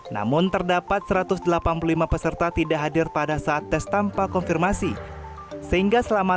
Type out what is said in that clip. namun terdapat satu ratus delapan puluh lima peserta tidak hadir pada saat tes tanpa konfirmasi sehingga selama